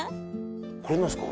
これ何ですか？